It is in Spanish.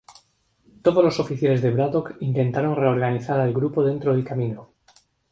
Todos los oficiales de Braddock intentaron reorganizar al grupo dentro del camino.